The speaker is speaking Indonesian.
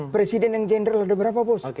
presiden yang general ada berapa bos